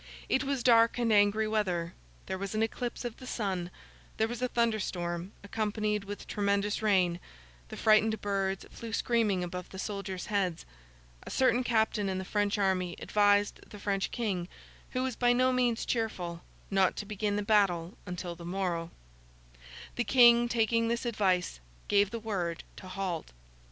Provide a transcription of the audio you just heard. It was dark and angry weather; there was an eclipse of the sun; there was a thunder storm, accompanied with tremendous rain; the frightened birds flew screaming above the soldiers' heads. A certain captain in the French army advised the French King, who was by no means cheerful, not to begin the battle until the morrow. The King, taking this advice, gave the word to halt.